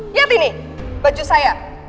lihat ini baju saya